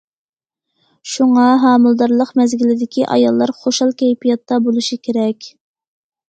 شۇڭا، ھامىلىدارلىق مەزگىلىدىكى ئاياللار خۇشال كەيپىياتتا بولۇشى كېرەك.